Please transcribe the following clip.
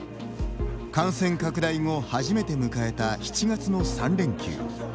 感染拡大後、初めて迎えた７月の三連休。